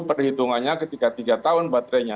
perhitungannya ketika tiga tahun baterainya